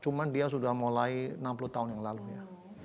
cuma dia sudah mulai enam puluh tahun yang lalu ya